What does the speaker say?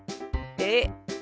えっ？